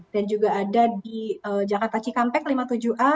dan juga ada di jakarta cikampek lima puluh tujuh a